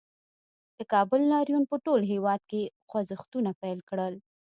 د کابل لاریون په ټول هېواد کې خوځښتونه پیل کړل